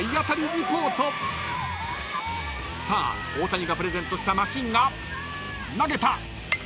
［さあ大谷がプレゼントしたマシンが投げた］